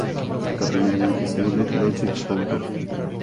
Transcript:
Su capital es Hrib-Loški Potok.